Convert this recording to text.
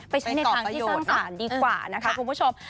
ไปใช้ในทางที่สงสารดีกว่านะคะคุณผู้ชม